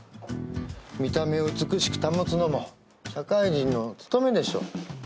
見た目を美しく保つのも社会人の務めでしょ。